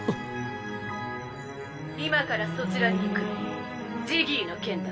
今からそちらに行くジギーの件だ。